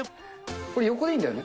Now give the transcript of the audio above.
これ、横でいいんだよね？